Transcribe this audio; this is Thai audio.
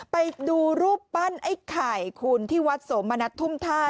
ไปดูรูปปั้นไอ้ไข่คุณที่วัดสมณัฐทุ่มท่า